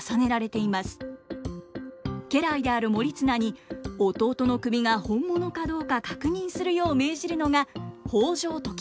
家来である盛綱に弟の首が本物かどうか確認するよう命じるのが北条時政。